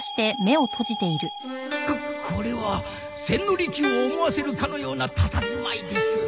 こっこれは千利休を思わせるかのようなたたずまいです！